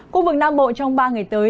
khu vực nam bộ trong ba ngày tới